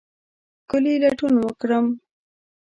ښکلې لټون وکرم